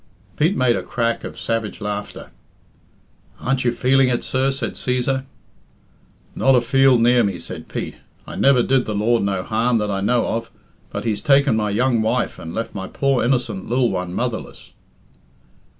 Pete made a crack of savage laughter. "Aren't you feeling it, sir?" said Cæsar. "Not a feel near me," said Pete. "I never did the Lord no harm that I know of, but He's taken my young wife and left my poor innocent lil one motherless."